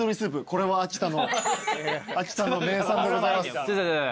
これは秋田の名産でございます。